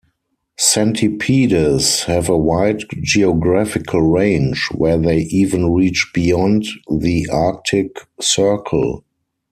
Centipedes have a wide geographical range, where they even reach beyond the Arctic Circle.